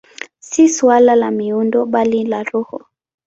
Si suala la miundo, bali la roho.